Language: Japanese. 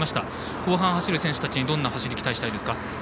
後半に走る選手たちにどんな走りを期待したいですか。